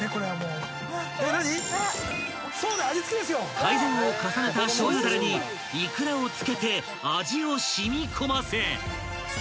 ［改善を重ねたしょう油ダレにいくらを漬けて味を染み込ませ］